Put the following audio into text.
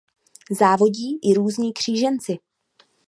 Závodí i různí kříženci.